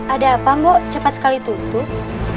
ada apa mgo cepat sekali tutup